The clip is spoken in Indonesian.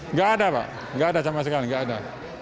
nggak ada pak nggak ada sama sekali nggak ada